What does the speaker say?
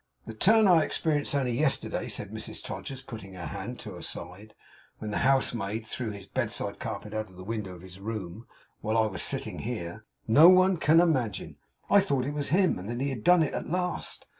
The turn I experienced only yesterday,' said Mrs Todgers putting her hand to her side, 'when the house maid threw his bedside carpet out of the window of his room, while I was sitting here, no one can imagine. I thought it was him, and that he had done it at last!